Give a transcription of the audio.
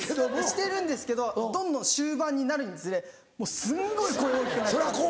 してるんですけどどんどん終盤になるにつれすんごい声大きくなっちゃって。